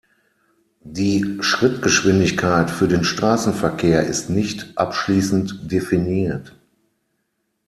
Die "Schrittgeschwindigkeit" für den Straßenverkehr ist nicht abschließend definiert.